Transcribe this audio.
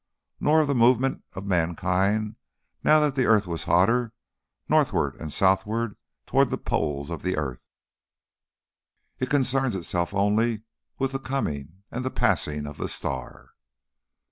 Nor of the movement of mankind now that the earth was hotter, northward and southward towards the poles of the earth. It concerns itself only with the coming and the passing of the Star.